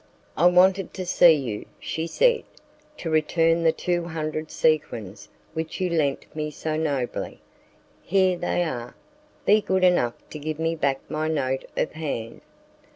"I wanted to see you," she said, "to return the two hundred sequins which you lent me so nobly. Here they are; be good enough to give me back my note of hand."